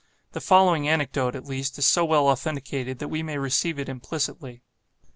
The following anecdote, at least, is so well authenticated, that we may receive it implicitly.